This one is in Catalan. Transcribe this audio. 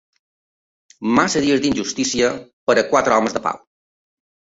Massa dies d'injustícia per a quatre homes de pau.